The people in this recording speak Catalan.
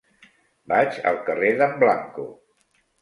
Vaig al carrer d'en Blanco.